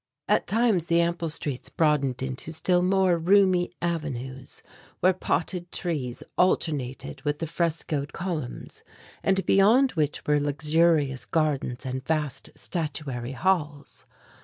At times the ample streets broadened into still more roomy avenues where potted trees alternated with the frescoed columns, and beyond which were luxurious gardens and vast statuary halls.